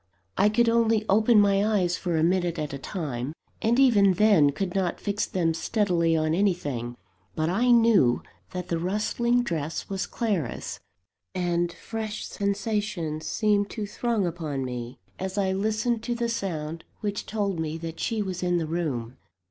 I could only open my eyes for a minute at a time, and even then, could not fix them steadily on anything; but I knew that the rustling dress was Clara's; and fresh sensations seemed to throng upon me, as I listened to the sound which told me that she was in the room.